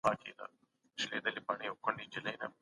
د روغتیایي ټولنپوهني تحقیق د پرمختلليو چارو لپاره دی.